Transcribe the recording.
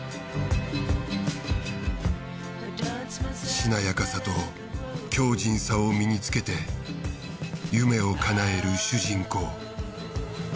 しなやかさと強靭さを身に着けて夢を叶える主人公。